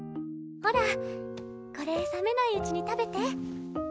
ほらこれ冷めないうちに食べて。